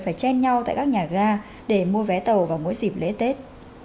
phải chen nhau tại các nhà ga để mua vé tàu vào mỗi dịp lễ tết